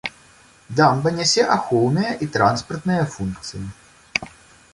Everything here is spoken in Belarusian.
Дамба нясе ахоўныя і транспартныя функцыі.